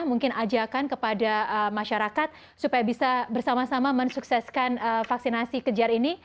mungkin ajakan kepada masyarakat supaya bisa bersama sama mensukseskan vaksinasi kejar ini